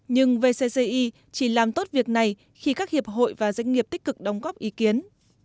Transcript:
nhưng vcci chỉ làm tốt việc này khi các hiệp hội và doanh nghiệp tích cực đóng góp ý kiến